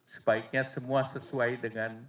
sebaiknya semua sesuai dengan